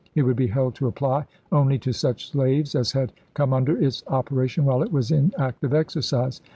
It would be held to apply only to such slaves as had come under its opera tion while it was in active exercise.